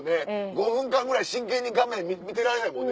５分間ぐらい真剣に画面見てられへんもんね。